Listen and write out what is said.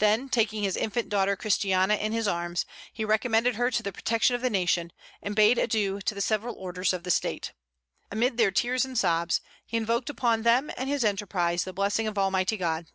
Then taking his infant daughter Christiana in his arms, he recommended her to the protection of the nation, and bade adieu to the several orders of the State. Amid their tears and sobs, he invoked upon them and his enterprise the blessing of Almighty God.